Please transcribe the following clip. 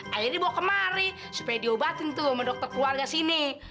akhirnya dibawa kemari supaya diobatin tuh sama dokter keluarga sini